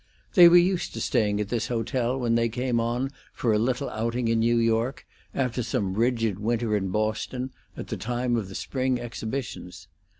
They were used to staying at this hotel when they came on for a little outing in New York, after some rigid winter in Boston, at the time of the spring exhibitions.